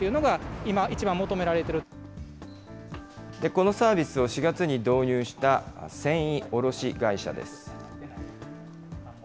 このサービスを４月に導入した繊維卸会社です。